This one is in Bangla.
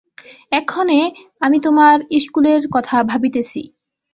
এক্ষণে আমি তোমার ইস্কুলের কথা ভাবিতেছি।